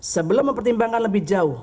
sebelum mempertimbangkan lebih jauh